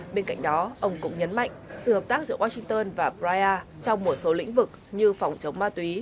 bên cạnh đó ông cũng nhấn mạnh sự hợp tác giữa washington và braia trong một số lĩnh vực như phòng chống ma túy